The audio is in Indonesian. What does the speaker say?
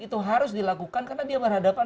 itu harus dilakukan karena dia berhadapan